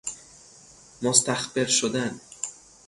مستخبر شدن